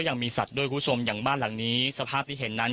ยังมีสัตว์ด้วยคุณผู้ชมอย่างบ้านหลังนี้สภาพที่เห็นนั้น